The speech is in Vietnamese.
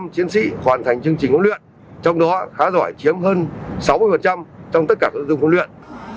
một trăm linh chiến sĩ hoàn thành chương trình huấn luyện trong đó khá giỏi chiếm hơn sáu mươi trong tất cả các dung huấn luyện